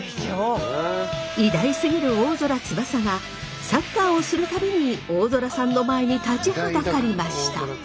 偉大すぎる大空翼がサッカーをする度に大空さんの前に立ちはだかりました。